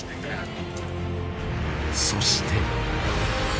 そして